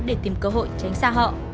để tìm cơ hội tránh xa họ